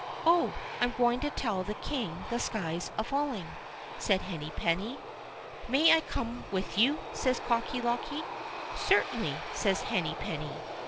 "Oh! I'm going to tell the King the sky's a falling," says Henny penny. "May I come with you?" says Cocky locky. "Certainly," says Henny penny.